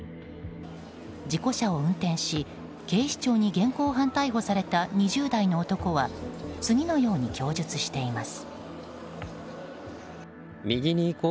事故車を運転し警視庁に現行犯逮捕された２０代の男は次のように供述しています。